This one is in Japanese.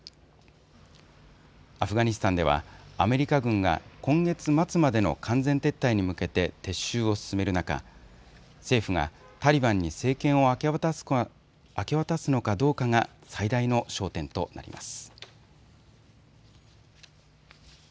アフガニスタンではアメリカ軍が今月末までの完全撤退に向けて撤収を進める中、政府がタリバンに政権を明け渡すのかどうかが最大の焦点となります。